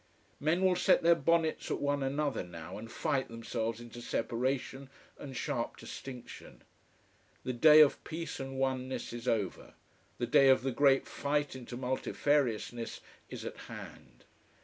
Men will set their bonnets at one another now, and fight themselves into separation and sharp distinction. The day of peace and oneness is over, the day of the great fight into multifariousness is at hand.